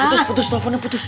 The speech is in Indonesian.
putus putus teleponnya putus